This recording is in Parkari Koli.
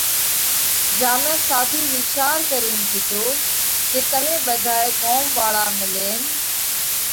جيا ۾ ساڌُو ويچار ڪرين ڪيڌو ڪي تمي ٻڌائي ڳوم واۯا ملينَ